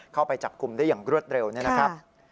เข้าไปจับกลุ่มได้อย่างรวดเร็วเนี่ยนะครับ